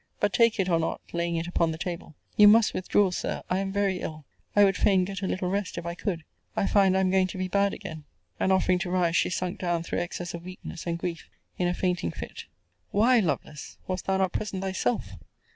But take it, or not, laying it upon the table you must withdraw, Sir: I am very ill. I would fain get a little rest, if I could. I find I am going to be bad again. And offering to rise, she sunk down through excess of weakness and grief, in a fainting fit. Why, Lovelace, was thou not present thyself?